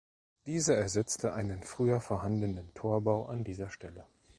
Diese ersetzte einen früher vorhandenen Torbau an dieser Stelle.